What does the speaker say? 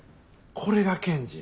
これが検事や。